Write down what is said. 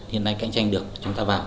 hiện nay cạnh tranh được chúng ta vào